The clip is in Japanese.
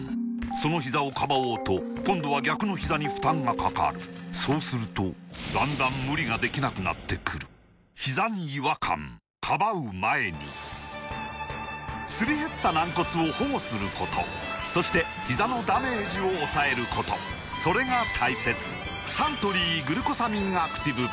そのひざをかばおうと今度は逆のひざに負担がかかるそうするとだんだん無理ができなくなってくるすり減った軟骨を保護することそしてひざのダメージを抑えることそれが大切サントリー「グルコサミンアクティブ」